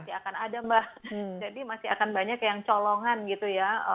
masih akan ada mbak jadi masih akan banyak yang colongan gitu ya